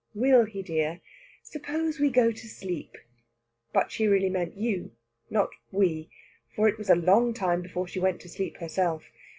"Will he, dear? Suppose we go to sleep." But she really meant "you," not "we"; for it was a long time before she went to sleep herself.